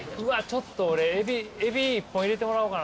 ちょっと俺えび１本入れてもらおうかな。